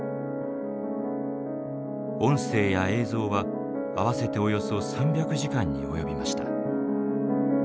音声や映像は合わせておよそ３００時間に及びました。